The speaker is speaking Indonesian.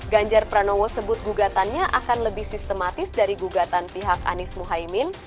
ganjar pranowo sebut gugatannya akan lebih sistematis dari gugatan pihak anies muhaymin